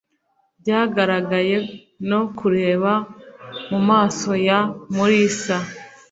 Byagaragaye no kureba mu maso ya Mulisa.